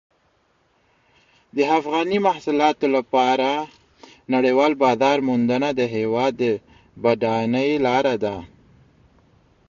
د افغاني محصولاتو لپاره نړیوال بازار موندنه د هېواد د بډاینې لاره ده.